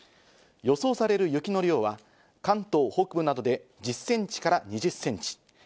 予想される雪の量は関東北部などで１０センチから２０センチ。